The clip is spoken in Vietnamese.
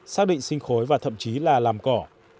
xác định sinh khối và thậm chí là làm cỏ